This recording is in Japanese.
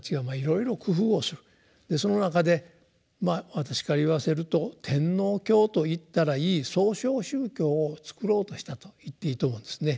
その中で私から言わせると「天皇教」と言ったらいい「創唱宗教」をつくろうとしたと言っていいと思うんですね。